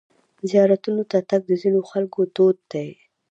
زیارتونو ته تګ د ځینو خلکو دود دی.